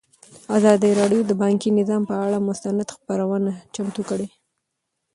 ازادي راډیو د بانکي نظام پر اړه مستند خپرونه چمتو کړې.